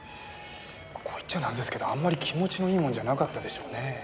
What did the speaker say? こう言っちゃなんですけどあんまり気持ちのいいものじゃなかったでしょうね。